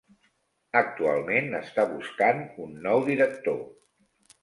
Actualment està buscant un nou director.